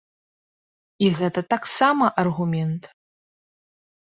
І гэта таксама аргумент.